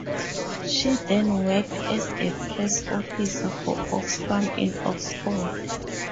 She then worked as a press officer for Oxfam in Oxford.